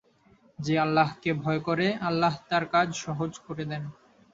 যে আল্লাহকে ভয় করে, আল্লাহ তার কাজ সহজ করে দেন।